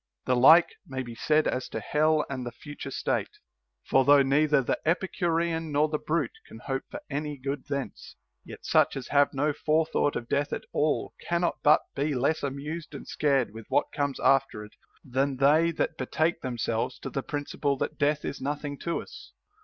The like may be said as to hell and the future state. For though neither the Epicurean nor the brute can hope for any good thence ; yet such as have no forethought of death at all cannot but be less amused and scared with what comes after it than they that betake themselves to the prin ciple that death is nothing to us.